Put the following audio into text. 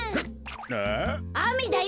あめだよ。